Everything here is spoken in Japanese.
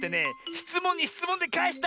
しつもんにしつもんでかえした！